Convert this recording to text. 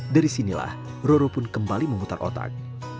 dari sinilah roro pun kembali memutar otak